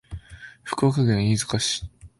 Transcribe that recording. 福岡県飯塚市